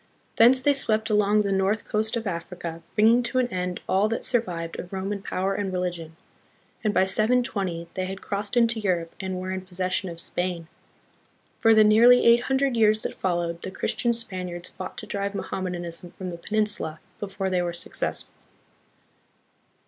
Thence they swept along the north coast of Africa, bringing to an end all that survived of Roman power and religion, and by 720 they had crossed into Europe and were in possession of Spain. For the nearly eight hundred years that followed, the Christian Spaniards fought to drive Mohammedanism from the peninsula, before they were successful.